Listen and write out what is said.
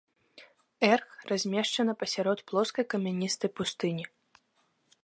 Эрг размешчаны пасярод плоскай камяністай пустыні.